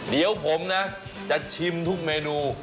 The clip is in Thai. เดี๋ยวผมนะจะชิมทุกเมนู